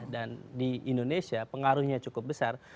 dan di indonesia pengaruhnya cukup besar